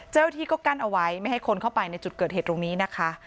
เจ้าหน้าที่ก็กั้นเอาไว้ไม่ให้คนเข้าไปในจุดเกิดเหตุตรงนี้นะคะ